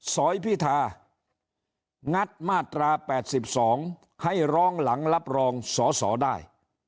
สอยพิธางัดมาตรา๘๒ให้ร้องหลังรับรองสอสอได้